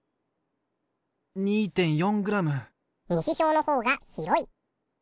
２．４ｇ西小のほうが広い！